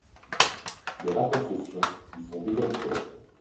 Les rapports sociaux y sont égalitaires.